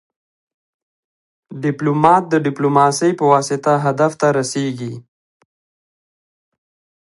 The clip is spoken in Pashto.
ډيپلومات د ډيپلوماسي پواسطه هدف ته رسیږي.